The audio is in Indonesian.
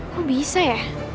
kok bisa ya